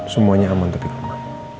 semuanya aman tapi kemana